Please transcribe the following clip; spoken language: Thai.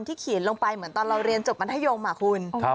ที่เขียนลงไปเหมือนตอนเรียนจบมัธยมนะคุณ